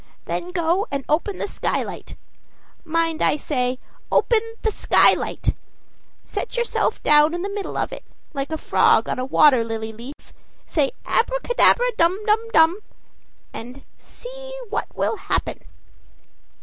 Then go and open the skylight, mind, I say OPEN THE SKYLIGHT, set yourself down in the middle of it, like a frog on a water lily leaf; say 'Abracadabra, dum dum dum,' and see what will happen!"